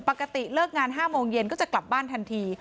ปกติเลิกงาน๕โมงเย็นก็จะกลับบ้านทันที